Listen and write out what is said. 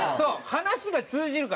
話が通じるから。